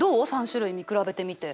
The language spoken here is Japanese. ３種類見比べてみて。